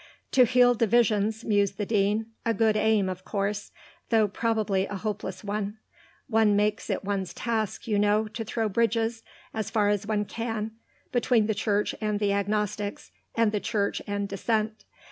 "To heal divisions," mused the Dean. "A good aim, of course. Though probably a hopeless one. One makes it one's task, you know, to throw bridges, as far as one can, between the Church and the agnostics, and the Church and dissent.